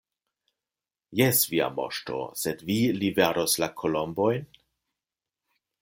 Jes, Via Moŝto, sed vi liveros la kolombojn?